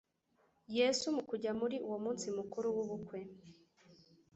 Yesu mu kujya muri uwo munsi mukuru w'ubukwe,